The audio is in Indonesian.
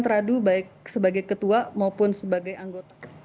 hentikan tradu baik sebagai ketua maupun sebagai anggota kpu ri